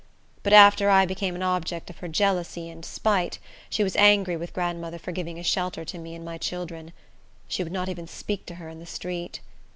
But after I became an object of her jealousy and spite, she was angry with grandmother for giving a shelter to me and my children. She would not even speak to her in the street.